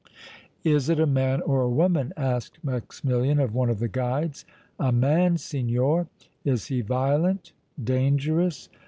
"Is it a man or a woman?" asked Maximilian of one of the guides. "A man, signor." "Is he violent, dangerous?"